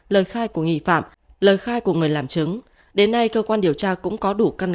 lời khai của nghi phạm lời khai của người làm chứng đến nay cơ quan điều tra cũng có đủ căn